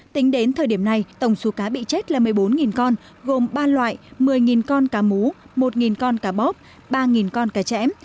tính đến thời điểm này tổng số cá bị chết là một mươi bốn con gồm ba loại một mươi con cá mú một con cá bóp ba con cá chém